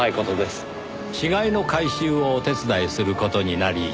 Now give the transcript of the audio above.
死骸の回収をお手伝いする事になり。